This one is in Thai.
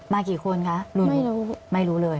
กี่คนคะไม่รู้ไม่รู้เลย